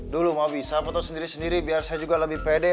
dulu mah bisa foto sendiri sendiri biar saya juga lebih pede